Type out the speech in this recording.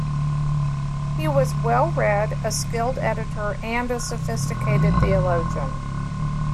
He was well read, a skilled editor, and a sophisticated theologian.